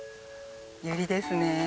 ユリですね。